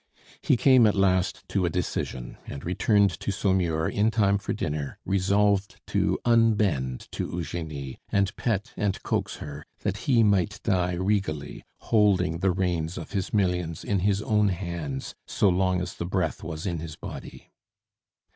He came at last to a decision, and returned to Saumur in time for dinner, resolved to unbend to Eugenie, and pet and coax her, that he might die regally, holding the reins of his millions in his own hands so long as the breath was in his body.